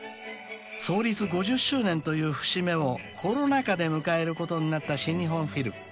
［創立５０周年という節目をコロナ禍で迎えることになった新日本フィル］